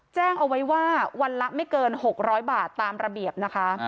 แจ้งเอาไว้ว่าวันละไม่เกิน๖๐๐บาทตามระเบียบนะคะ